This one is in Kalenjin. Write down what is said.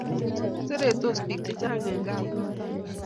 Seretos pik che chang en kaplong